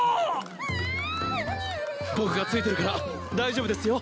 僕がついてるから大丈夫ですよ。